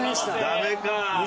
ダメか。